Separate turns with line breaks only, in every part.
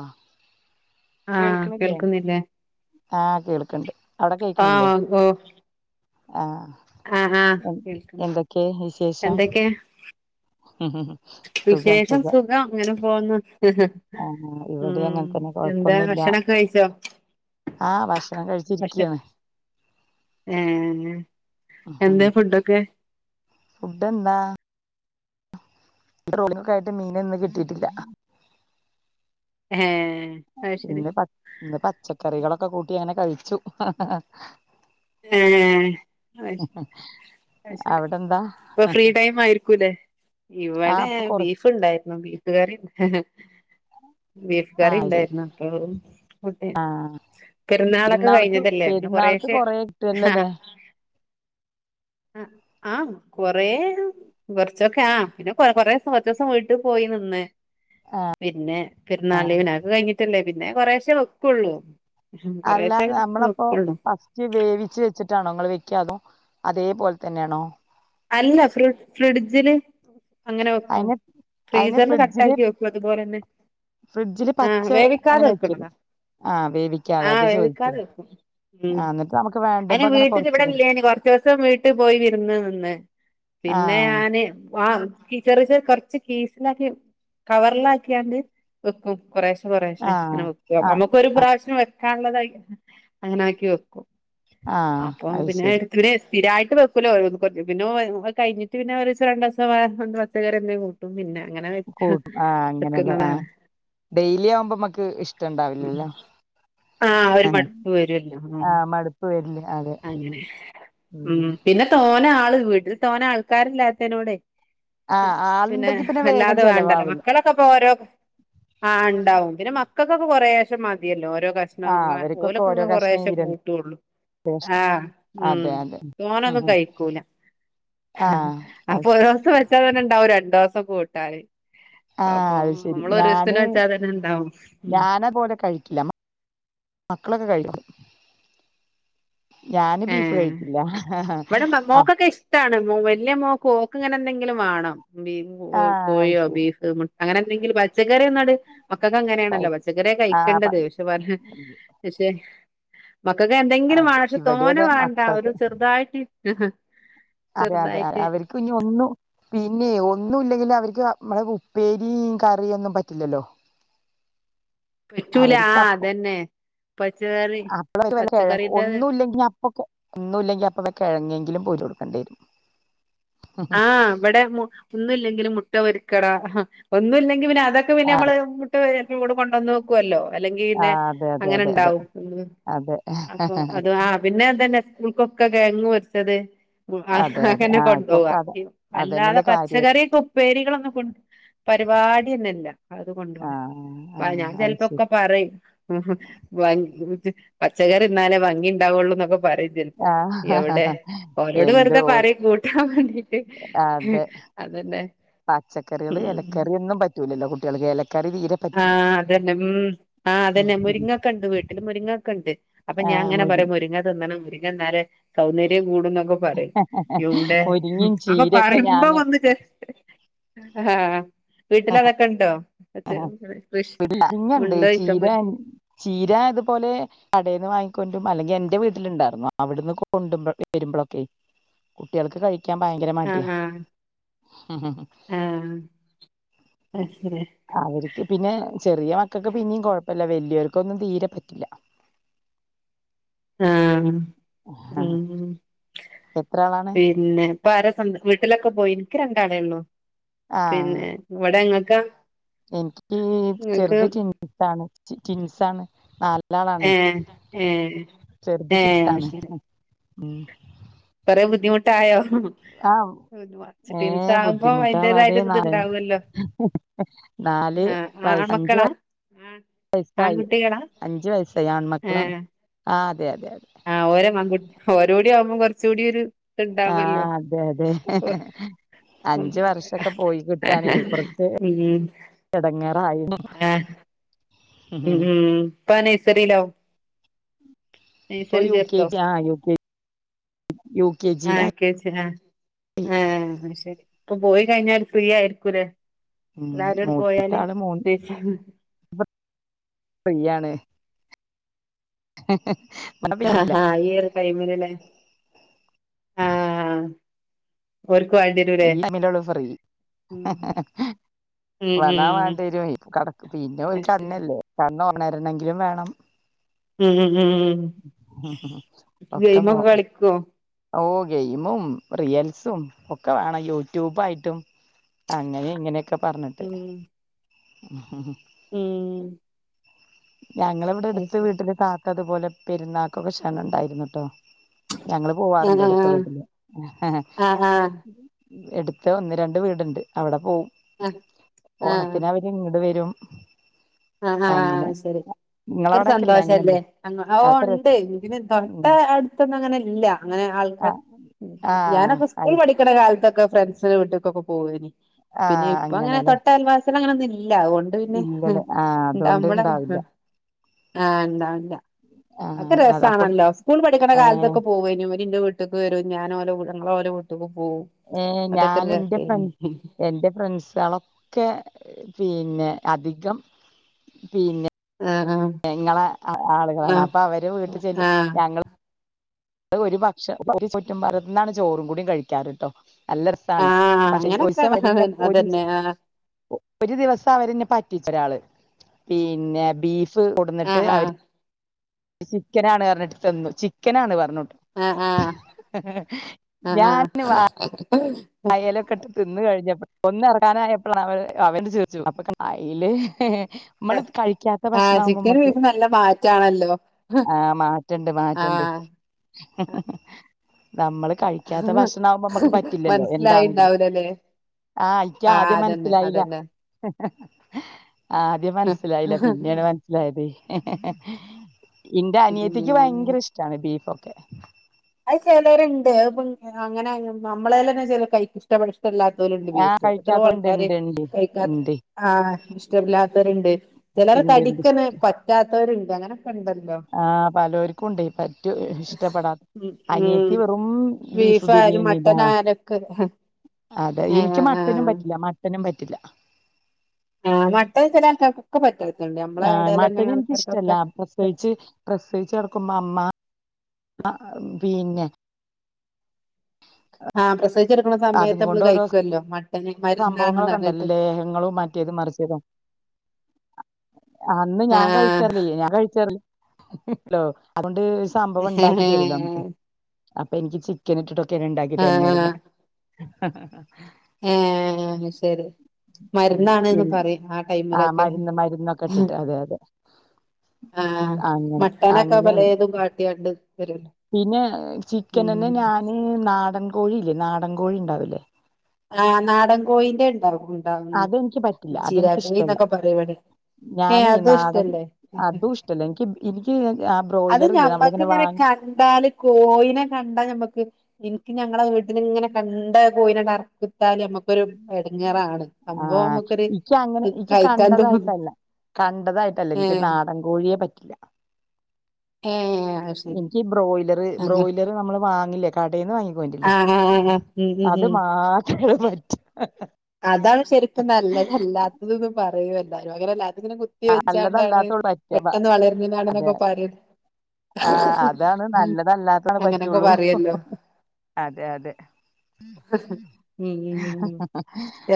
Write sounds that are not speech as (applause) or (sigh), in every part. ആഹ്
ആഹ്
കേൾക്ക്ണില്ലേ
കേൾക്കുന്നില്ലേ
ആഹ് കേൾക്ക്ണ്ട് അവിടെ കേൾക്ക്ണ്ല്ലേ
ആഹ് ഓ
ആഹ് എന്തൊക്കെ വിശേഷം
എന്തൊക്കെയ
സുഖം സുഖം
അങ്ങനെ പോവുന്നു
ആഹ് ഇവിടെ
ഉം
അങ്ങനെ തന്നെ
എന്താ
കൊഴപ്പൊന്നുല്ല
ഭക്ഷണക്കെ കഴിച്ചോ
ആഹ് ഭക്ഷണം
ഭക്ഷ
കഴിച്ചിരിക്ക്യാണ്
ഏഹ് എന്താ ഫുഡൊക്കെ
ഫുഡന്താ ട്രോളിങ്ങെക്കെ ആയിട്ട് മീനൊന്നും കിട്ടിട്ടില്ല
ഏഹ് അത് ശരി
ഇന്ന് പ ഇന്ന് പച്ചക്കറികളൊക്കെ കൂട്ടി അങ്ങനെ കഴിച്ചു
ഏഹ് അശരി ശരി
അവിടെ എന്താ
ഇപ്പൊ ഫ്രീ ടൈം ആയിരിക്കൂല്ലേ
ആഹ്
ഇവിടെ
അപ്പൊ കൊറ
ബീഫ്ണ്ടായിരുന്നു ബീഫ് കറി ബീഫ് കറി
ആഹ് ശരി
ഉണ്ടായിരുന്നു ഇപ്പൊ അതും മുട്ടിം
ആഹ്
പെരുന്നാളൊക്കെ
പെരുന്നാൾക്ക്
കഴിഞ്ഞതല്ലേ പിന്നെ
പെരുന്നാൾക്ക്
കൊറെശെ
കൊറേ കിട്ടുവല്ലോല്ലേ
ആഹ് ആ ആഹ് കൊറേ കൊറച്ചൊക്കെ ആഹ് പിന്നെ കൊ കൊറേസം കൊറച്ചോസം വീട്ടിൽ പോയി നിന്ന് പിന്നെ പെരുന്നാള് ലീവിനാ അത് കഴിഞ്ഞിട്ടല്ലേ പിന്നെ കൊറെശേ വെക്കെള്ളൂ
അല്ല നമ്മളപ്പോ ഫസ് വേവിച്ച് വെച്ചിട്ടാണോ നിങ്ങള് വെക്ക അതോ അതേപോലെ തന്നെണോ
അല്ല ഫ്രി ഫ്രിഡ്ജ്ല് അങ്ങനെ വെക്കും
അയിന് അതിന്
ഫ്രീസറില് കട്ട
ഫ്രിഡ്ജില്
ആക്കി വെക്കും അതുപോലെ തന്നെ
ഫ്രിഡ്ജില് പച്ച അങ്ങനെ വെക്കല്ലേ
വെക്കണതാ
ആഹ് വേവിക്കാതെ
ആഹ്
അത് ചോദിച്ചു
വേവിക്കാതെ വെക്കും ഉം
ആഹ് എന്നിട്ട് നമുക്ക് വേണ്ട്പോ അങ്ങനെ കൊറച്ച് കൊറച്ച്
അഞ്ചോസം വീട്ടിൽ പോയി വിരുന്ന് നിന്ന് പിന്നെ
ആഹ്
ഞാന് ആഹ് ഫ്രിസറിസ കൊറച്ച് കീസിലാക്കി കവർലാക്കിയാണ്ട് വെക്കും കൊറേശെ കൊറേശെ
ആഹ്
അങ്ങനെ വെക്കും
ആഹ്
നമുക്ക് ഒരു പ്രാവശ്യം വ കള്ളതായിട്ട് അങ്ങനെ ആക്കി വെക്കും
ആഹ്
അപ്പൊ
അത്
പിന്നെ
ശരി
എടുത്തുടെ സ്ഥിരായിട്ട് വെക്കൂല ഓരോ പിന്നെ കഴിഞ്ഞിട്ട് പിന്നെ ഒരൂസം രണ്ടുസം പച്ചക്കറി എന്തെ വെക് ക്കും പിന്നെ അങ്ങനെ വെ
കൂട്ടും ആഹ് അങ്ങനെയല്ലേ ആഹ്
വെക്കുന്നതാണ്
ഡെയിലി ആവുമ്പോ നമക്ക് ഇഷ്ടണ്ടാവുലല്ലോ
ആ ഒരു
ആഹ്
മടുപ്പ് വരുവല്ലോ ഉം
ആഹ് മടുപ്പ് വരില്ല അതെ ഉം
തോന്ന ആള് വീട്ടിൽ തോന്ന ആൾക്കാരില്ലായ്ത്തന്നോടെ ആഹ് പിന്നെ
ആളുണ്ടെങ്കി വേഗം
അല്ലാതെ വേണ്ടല്ലോ
ചെലവാവില്ല
മക്കളെ പ്പ ക്കോരോ ആഹ് ണ്ടാവും പിന്നെ മക്കക്കൊക്കെ കൊറെശെ മതിയല്ലോ ഓരോ കഷ് ണം
ആഹ്
വാ
അവർക്കൊക്കെ
ഓലൊക്കെ
ഓരോ
ഇങ്ങ
കഷ്ണം
കൊറേശേ
ഈ രണ്ട്
കൂട്ടൊള്ളൂ.
കഷ്ണം
ആഹ്
അതെ
ഉം
അതെ ഉം
തോനൊന്നും
ഉം
കഴിക്കൂല.
ആഹ് അത്
അപ്പൊ
ശരി
ഒരോസം വെച്ചാതന്നെണ്ടാവും രണ്ടോസം കൂട്ടാന്.
ആഹ്
അപ്പൊ
അയ്ശെരി
നമ്മള് ഒരു ദിവസത്തിന്
ഞാന്
വെച്ചാ തന്നെ ഉണ്ടാവും ഉം
ഞാനത്പോലെ കഴിക്കില്ല. മക്കളൊക്കെ കഴ്ക്കും ഞാന് ബീഫ് കഴിക്കില്ല.
മോക്കോക്കെ ഇഷ് ട്ടാണ് മോ വല്ല്യാ മോക്ക് ഓക്ക് ഇങ്ങനെ എന്തെങ്ക്‌ലും വാണം ബീഫ്
ആ
കൊയ് കൊയ്യോ
ശരി
ബീഫ് മുട്ട് അങ്ങനെ എന്തെങ്കിലും പച്ചക്കറി ഒന്നട് മക്കക്ക്
കഴി
അങ്ങനെണല്ലോ പച്ചക്കറിയാ
ആ
കഴിക്കണ്ടത് പക്ഷേ പറിയാ പക്ഷേ മക്കക്ക് എന്തെങ്ക്‌ലും
അതെ
വാണം പഷെ
ഇവിടെ
തോനെ
അതെ
വേണ്ട ഒരു
മക്കൾക്ക്
ചെറ്തായ്റ്റ്.
അതെ അതെ അത അവര്ക്ക് ഇഞ്ഞി ഒന്നു. പിന്നെ ഒന്നുല്ലെങ്കില് അവര്ക്ക് മ്മളെ ഉപ്പേരിം കറി ഒന്നും പറ്റ്ല്ലല്ലോ.
പറ്റൂല ആഹ്
അപ്പ
അതന്നെ പച്ചക്കറി.
അപ്പള വല്ല്യ കെഴങ്
പച്ചക്കറിന്റെ
ഒന്നു ഇല്ലെങ്കി അപ്പൊക്കെ. ഒന്നുല്ലെങ്കി അപ്പവെ കെഴങ്ങേങ്കിലും പോര്ച്ചോട്ക്കേണ്ട്യെരും.
വടെ മു ഒന്നുല്ലെങ്കിലും മുട്ട പൊരിക്കണം ഒന്നുല്ലെങ്കി പിന്നെ അതൊക്കെ പിന്നെ അമ്മള്. ട്ട് (inaudible) കൊണ്ടന്നു. ക്കുഅല്ലോ അല്ലെങ്കി
ആ
ഇന്നെ
അതെ അതെ അതെ അതെ
അങ്ങനെണ്ടാവും ഉം
അതെ
അപ്പൊ അത് ആഹ്. പിന്നെ ഇതെന്നെ ഉസ്കൂൾക്കൊക്കെ ക്കെയങ്ങ് പൊര്ച്ചത് ആഹ്
അതെ അതെ
അതൊക്കെനെ
ആ ഇപ്പൊക്കെ
കൊണ്ടോവാ.
അതെ
ഇ അല്ലാതെ
അതന്നെല്ലേ കാര്യം
പച്ചക്കറിയൊക്കെ ഉപ്പേരികളൊന്നും കൊണ്ട് പരിപാട്യനെല്ല അത്
ആ
കൊണ്ടോണെ
ആ
പ ഞാൻ
അത്
ചെൽപ്പോക്കെ
ശരി
പറിം. ഉം ഹ് വൻ പച്ചക്കറിന്നാലേ ഭംഗിണ്ടാവൊള്ളൂ ന്നൊക്കെ. പറിം ചെൽപ്പം
ആ
യൗടെ ഓലോട് വെർതെ
എന്തോ
പറിം കൂടി ട്ടാൻ വേണ്ടിട്ട് ഹെ അതന്നെ.
പച്ചക്കറിയള്
ഉം
എലക്കറിയൊന്നും പറ്റൂലല്ലോ കുട്ട്യാൾക്ക് എലക്കറി തീരെ. പറ്റില്ല
ആഹ് അതന്നെ ഉം ആഹ് അതന്നെ മുര്ങ്ങൊക്കെണ്ട് വീട്ടില് മുര്ങ്ങൊക്കെണ്ട്. അപ്പൊ ഞാൻ
ആഹ്
ഇങ്ങനെ
മുരി
പറയും മുര്ങ്ങ തിന്നണം മുര്ങ്ങന്നലേ സൗന്ദര്യം കൂടുംന്നൊക്കെ പറിം. യൗടെ ഉം
മുരിങ്ങയും
അപ്പൊ
ചീരയൊക്കെ
പറിബോ
ഞാന്
വന്ന് കെ ആഹ് അ വീട്ടിലതൊക്കെണ്ടോ?
ആഹ് വീട്ടില് രിങ്ങണ്ട്
ഉണ്ടോയിക്ക
ചീര ചീര ഇത്പോലെ. കടെന്ന് വാങ്ങിക്കൊണ്ട്രും അല്ലെങ്കി എന്റെ വീട്ടില്ണ്ടാർന്നു അവ്ട്ന്ന് കൊണ്ടുബോ വെരുമ്പളൊക്കെയ്. കുട്ട്യാൾക്ക് കഴിക്കാൻ ഭയങ്കര മട്യാ.
ആഹ് ആഹ് ആഹ് അയ്ശരി
അവര്ക്ക് പിന്നെ ചെറിയ മക്കക്ക് പിന്നിം കൊഴപ്പെല്ല വെല്ല്യോര്ക്കൊന്നും തീരെ പറ്റ്ല്ല.
ആഹ് ഉം
എത്ര ആളാണ്
പിന്നെ. പ്പരോക്കെണ്ട് വീട്ടിലൊക്കെ പോയി ഇൻക്ക് രണ്ടാളെ ഒള്ളു പിന്നെ ഇവടെ ഇങ്ങക്കൊ?
എൻക്ക് ചെർത് ട്വിൻസസാണ് ട്വിൻസാണ് ന്നാല്. ലളണെയ്
ഏഹ് ഏഹ്
ചെർത്
ഏഹ് അത്
ടിൻസാണ് ഉം.
കൊറെ ബുദ്ധിമുട്ടായോ?
ആഹ്
ട്വിൻസ്
ഏഹ്
ആകുമ്പോ അതിന്റേതായിട്ട്
ബുദ്ധിമുട്ടാവാതെ
ഒരു
ന്നറിണ്.
ഇത്ണ്ടാവുമല്ലോ
ന്നാല്
ആഹ്
വയസ് അഞ്ച്
ആൺമക്കളാ
വയ വെയ്സായി
ആൺകുട്ടികളാ
അഞ്ച് വയസായി ആൺമക്കളാണ്
ഏഹ്
ആഹ് അതെ അതെ അതെ.
ആഹ് ഓരോ മഗുട്ട് ഓരൂടി ആവ്മ്പോ കൊർചൂടി ഒര്.
ആഹ് അതെ അതെ.
ഉം
അഞ്ച് വർഷൊക്കെ പോയി കിട്ടാനെയ് കൊർച്ച്
ഉം
എടങ്ങേറായി.
ആഹ് ഉം. ഉം. ഇപ്പൊ നെയ്സഴ്റിലാവും.
ഇപ്പൊ യു ക്കെ
ചേർത്തോ
ജി, ആ U K, U K G ലായ്.
യു കെ ജി ലാണ്.. ഹെ അയ്ശെരി ഇപ്പൊ പോയി കഴിഞ്ഞാല് ഫ്രീ ആയിരിക്കുംലെ.
ഉം
എല്ലാരട് പോയാല് സെഫാണ്.
ഇപ്പോ ഫ്രീയാണ്. ആ.
ആ, ഹഹ ഈ ഒര് ടൈമിൽലെ.
ഉ (inaudible)
ഉ (inaudible)
ഈ ടൈമിലിൽ ഒള്ളു ഫ്രീ.
ഉം ഉം ഉം
വന്നാ വേണ്ടി വരും. ഇപ്പ കട പിന്നെ ഒരു
അത് ശരി
കണ്ണല്ലേ കണ്ണ് ഓണരണെങ്കിലും വേണം.
ഉം. ഉം. ഗെയിം ഒക്കെ കളിക്കോ?
ഓ, ഗെയിമും, റിൽസും, ഒക്കെ വേണം. യൂട്യൂബയിട്ടും. അങ്ങനെ ഇങ്ങനെയൊക്കെ പറഞ്ഞിട്ട്.
ഉം ഉം.
ഞങ്ങളിവിടെ
അത്
എടുത്ത്
ശരി
വീട്ടിലെ താത്ത അ തുപോലെ പെരുന്നാക്കൊക്കെ ക്ഷണം ഉണ്ടായിരുന്നട്ടോ. ഞങ്ങൾ പോവാറുണ്ട്
ആഹ്
അടുത്ത വീട്ടില്.
ആഹ് ആഹ്
എടുത്ത് ഒന്ന് രണ്ട് വീടുണ്ട്, അവിടെ പോവും.
ആഹ് ആഹ്
ഓണത്തിനവർ ഇങ്ങട് വരും.
ആഹ, ആഹ,
അങ്ങനെ
അത് ശരി. ഒക്കെ ഒരു
നിങ്ങളവിടൊക്കെല്ലേ
സന്തോഷല്ലേ.
അങ്ങനെയല്ലേ
ഓ
അതൊക്കെ രസ
ഉണ്ട്. പിന്നെ തൊട്ട
ഉം
അടുത്തൊന്നും അങ്ങനെ ഇല്ല. അങ്ങനെ
ആ
ആൾക്കാർ
ആ, ആയി
ഇ കാലത്തൊക്കെ ഫ്രണ്ട്സിന്റെ വീട്ടക്കൊക്കെ പോകനു.
ആ
പിന്നെ ഇപ്പൊ അങ്ങനെ
അങ്ങനല്ലേ
തോട്ട അയൽവാസി അങ്ങനൊന്നും ഇല്ല അതൊണ്ട് പിന്നെ
ഇല്ലല്ലേ ആ അതുകൊണ്ട്
ഇണ്ട്പളന്ന
ഇണ്ടാവില്ല
ആഹ് ഇണ്ടാണ്ട (unintelligible)
ആ
ഒക്കെ
അ അപ്പം
രസാണല്ലോ, സ്കൂൾ പഠിക്കണ
ഏ
കാലത്തൊക്കെ പോവനും അവര് എന്റെ വീട്ടി വീട്ടിക്ക് വരും. ഞാൻ ഓലെകൂടെ ഞങ്ങൾ ഓലെ വീട്ട് ക്ക് പോകും.
ഏ, ഞാൻ എന്റെ ഫ്രണ്ട്, എന്റെ ഫ്രണ്ട്സ ആളൊ ഒക്കെ പിന്നെ അധികം പിന്നെ
ആ, ആ.
ഞങ്ങളെ ആളുകളാണ്. അപ്പൊ അവര് വീട്ടിൽ
ആഹ്
ചെല്ല
ആഹ്
ഞങ്ങൾ അ, ഒരു പക്ഷേ ഒരു ചോറ്റു പാത്രത്തുനിന്നാണ് ചോറും കൂടിയും കഴിക്കാറ്ട്ടോ. നല്ല രസമാണ്.
ആഹ്
പക്ഷെ
അങ്ങനൊക്കെ
സ ഒരു (unintelligible)
അതന്നെ ആഹ്
ഒരു ദിവസം അവരെന്നേ പറ്റിച്ചു ഒരാള് പിന്നെ ബീഫ്
ആഹ്
കൊടന്നിട്ട് അവര് ചിക്കൻ ആ ണ് പറഞ്ഞിട്ട് തന്നു. ചിക്കൻ ആ ണ് പറഞ്ഞിട്ടു.
ആ, ആ, ആ, ആ.
അ, ഇലയൊക്കെ ഇട്ട് തിന്ന് കഴിഞ്ഞപ്പ ഒന്നിറങ്ങാനായപ്പോഴ അവൻ ചിരിച്ചു. അയിൽ ഇമ്മൾ കഴിക്കാത്ത
ആഹ്
ഭക്ഷണം ആവുമ്പോ
ചിക്കനും
നമക്ക്,
ബീഫും നല്ല മാറ്റാണല്ലോ
ആ, മാറ്റണ്ട് മാറ്റണ്ട്
ആഹ്
നമ്മള് കഴിക്കാത്ത ഭക്ഷണം ആകുമ്പോ നമുക്ക് പറ്റില്ല. എന്താണെങ്കിലും
മനസ്സിലായിണ്ടാവൂലല്ലേ
ആ ഇയ്ക്ക്
ആഹ്
ആദ്യം
അതന്നെ
മനസ്സിലായില്ല.
അതന്നെ
ആദ്യം
ഉം.
മനസ്സിലായില്ല. പിന്നെ ആണ് മനസ്സി മനസ്സിലായത്, എന്റെ അനിയത്തിക്ക് ഭയങ്കര ഇഷ്ടാണ് ബീഫൊക്കെ.
അത് ചിലരുണ്ട് ഇപ്പ അങ്ങനെ നമ്മളെലന്നെ ചില കഴിക്കിഷ് ഇഷ്ടപ്പെ ഇഷ്ടമല്ലാത്ത ഓലുണ്ട്
ആഹ്
ബീഫ് എത്രയോ
കഴിക്കാത്തോണ്ട്
ആൾക്കാര്
ഇണ്ട് ഇണ്ട്
കഴിക്കാത്ത
ഇണ്ട്
ആഹ് ഇഷ്ടമല്ലാത്തവരുണ്ട് ചിലർ
ഇണ്ട് ഇണ്ട്
തടിക്കന്നെ പറ്റാത്തവരുണ്ട് അങ്ങനെ ഒക്കെ ഇണ്ടല്ലോ
ആഹ് പലോർക്കും ഉണ്ട് പറ്റും ഇഷ്ടപ്പെടാതെ
ഉം ഉം
അനിയത്തി വെറും ബീഫ്
ബീഫായാലും
ബിരിയാണിടെ
മട്ടൻ
ആളാ
ആയാലൊക്കെ
അതെ
ആഹ്
എനിക്ക് മട്ടനും
ആഹ്
പറ്റില്ല മട്ടനും പറ്റില്ല
ആഹ് മട്ടൻ ചില ആൾക്കാർക്കൊ ഒക്കെ പറ്റത്തതുണ്ട് നമ്മള ഇടയിൽ തന്നെ
മട്ടൻ എനിക്കിഷ്ടല്ല
ആൾക്കാർക്കൊക്കെ
പ്രസവിച്ച് പ്രസവിച്ച് കിടക്കുമ്പോ അമ്മ ആ പിന്നെ
ആഹ് പ്രസവിച്ച് കിടക്കുന്ന സമയത്ത് നമ്മള് കഴിക്കുവല്ലോ മട്ട
സംഭവങ്ങളൊക്കെണ്ടല്ലോലേ ഇങ്ങളും മറ്റേതും മറിച്ചതും അന്ന് ഞാൻ കഴിച്ചറില്ല ഞാൻ കഴിച്ചറില്ല അതൊണ്ട് സംഭവം ഉണ്ടാക്കി തരൂലെ നമക്ക്
ആഹ്
അപ്പൊ എനിക്ക് ചിക്കൻ ഇട്ടിട്ടൊക്കെ ഇണ്ടാക്കി
ആഹ്
തന്നീര്ന്ന്
ഏഹ് അയ് ശരി മരുന്നാണ്ന്ന് പറയും ആ ടൈമിലൊക്കെ
മരുന്ന് മരുന്നൊക്കെ ഇട്ടിട്ട് അതെ അതെ
ആഹ്
അങ്ങനെ
മട്ടനൊക്കെ
അങ്ങനെയാണ്
പലേതും കാട്ടിയാണ്ട് തരും
പിന്നെ ചിക്കനന്നെ ഞാന് നാടൻ കോഴില്ലേ നാടൻ കോഴി ഉണ്ടാവില്ലേ
ആഹ് നാടൻ കോയിന്റെ ഇണ്ടാവും ഇണ്ടാവും
അതെനിക്ക് പറ്റില്ല അതെനിക്ക് ഇഷ്ടല്ല
ചീരാകഞ്ഞിന്നൊക്കെ പറയും ഇവിടെ ഏഹ്
ഞാനേ
അതും
നാടൻ
ഇഷ്ടല്ലേ
അതും ഇഷ്ടല്ല എനിക്ക് ഇനിക്ക് ആ ബ്രോയ്ലർ ഇല്ലേ നമ്മളിങ്ങനെ വാങ്ങ
എന്താല് കോയിനെ കണ്ടാ ഞമ്മക്ക് ഇനിക്ക് ഞങ്ങളെ വീട്ടില് ഇങ്ങനെ കണ്ട കോയിനട് അറ (unintelligible) അമ്മക്ക് ഒരു എടങ്ങറാണ്
ആ
സംഭവം നമുക്കൊരു
എനിക്ക് അങ്ങനെ എനിക്ക്
കഴിക്കാൻ തോ
കണ്ടതായിട്ടല്ല കണ്ടതായിട്ടല്ല എനിക്ക് നാടൻ കോഴിയേ പറ്റില്ല
ഏഹ് അത് ശരി
ഇനിക്ക് ബ്രോയ്ലറ്
അങ്ങനെ
ബ്രോയ്ലറ് നമ്മള് വാങ്ങില്ലേ കടേന്ന് വാങ്ങി കൊണ്ട് വരില്ലേ
ആഹ് ആഹ് ആഹ് ഉം ഉം
അത്
ഉം
മാത്രേ പറ്റ
അതാണ് ശരിക്കും നല്ലതല്ലാത്തത് ന്ന് പറയും എല്ലാരും അങ്ങനെ അല്ല ഇതിനെ കു ത്തിവെച്ചാണ്ടാണ്
നല്ലതല്ലാത്തോളൂ പറ്റുക ബ-
പെട്ടെന്ന്
അതെ
വളര്ണതാണ്ന്നൊക്കെ പറയും
ആ അതാണ് നല്ലതല്ലാത്തതാണ്
അങ്ങനൊക്കെ
പറ്റുള്ളൂ
പറയല്ലോ
അതെ അതെ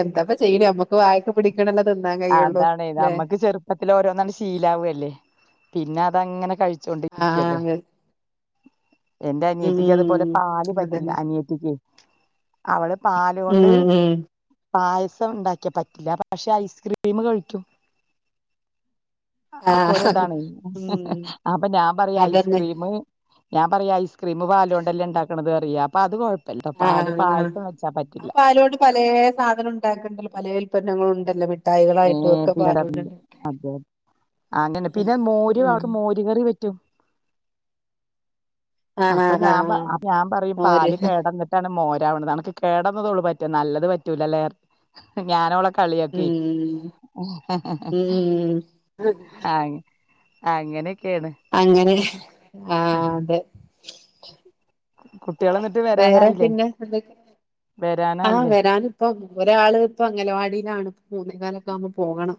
എന്തപ്പ ചെയ്യണ് നമ്മക്ക് വായക്ക് പിടിക്ക്ണല്ലേ തിന്നാൻ കെയ്യൊള്ളു ലേ
ചെറുപ്പത്തില് ഓരോന്നാട് ശീലാവല്ലേ പിന്നെ അതങ്ങനെ
ആഹ്
കഴിച്ചോണ്ടിരിക്കല്ലേ
അതെ
എന്റെ അനിയത്തിക്ക്
ഉം
അതുപോലെ പാല് പറ്റില്ല
അതന്നെ
അനിയത്തിക്ക് അവള് പാല് കൊണ്ട്
ഉം ഉം
പായസം ഇണ്ടാക്കിയ പറ്റ റ്റില്ല പക്ഷെ ഐസ്ക്രീം കഴിക്കും അതൊക്ക ഒരോ
ആഹ്
ഇതാണ്
ഉം
അപ്പൊ ഞാൻ പറയും
അതന്നെ
ഐസ്ക്രീമ് ഞാൻ പറയും ഐസ്ക്രീം പാലോണ്ടല്ലേ ഇണ്ടാക്ക്ണത് പറയും അപ്പൊത് കു ഴപ്പല്ല പാല്
ആഹ് ആഹ്
പായസം വെച്ചാ
ആ
പറ്റില്ല
പാലോണ്ട് പലേ സാധനും ഉണ്ടാക്ക്ണ്ടല്ലോ പലേ ഉൽപന്നങ്ങളും ഉണ്ടല്ലോ മിഠായികളായിട്ടും
ഏഹ്
ഒക്കെ
പിന്നെ
പാലോണ്ട്
ഉണ്ടാക്കില്ലേ
ഉണ്ടാക്ക.
അതെ അതോണ്ടന്നെ പിന്നെ മോര്
ഉം
അവൾക്ക് മോര് കറി പറ്റും
ആഹ്
അപ്പൊ
ആഹ്
ഞാൻ പ
ആഹ്
ഞാൻ പറയും
മോര്
പാല് കേടന്നിട്ട് ട്ടാണ് മോരാവ്ണത് അണക്ക് കേടന്ന തൊള്ളൂ പറ്റാ നല്ലത് പറ്റൂലല്ലേ ഞാനോളെ കളിയാക്കൊയ്
ഉം ഉം
അങ്ങ അങ്ങനൊക്കേണ്
അങ്ങനെ ആഹ് അതെ
കുട്ടികൾ എന്നിട്ട്
വേറെ
വരാനായില്ലേ
പിന്നെ എന്തൊക്കെ ആഹ്
വരാനായില്ലേ
വരാന് ഇപ്പം ഒരാള് ഇപ്പ അംഗലവാടിലാണ് മൂന്നേകാലൊക്കെ ആവുമ്പോ പോകണം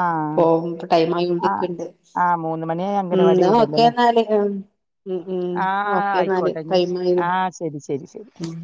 ആ
പോവും ടൈമായിക്കൊണ്ട്
ആ
നിക്ക്ണ്ട്
ആഹ് മൂന്ന് മണിയായ
ഉം
അംഗനവാടി
ന്ന ഒക്കെ
വിടുവല്ലോല്ലേ
ന്നാല് ഉം ഉം
ആഹ്
ഓക്കെ ന്നാല്
ആയിക്കോട്ടെ എന്നാ ശ
ടൈമ് ആയിണ്
ആഹ് ശരി ശരി ശരി
ഉം